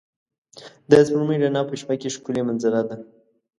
د سپوږمۍ رڼا په شپه کې ښکلی منظره ده.